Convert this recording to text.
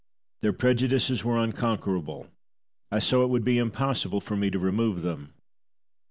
Their prejudices were unconquerable; I saw it would be impossible for me to remove them.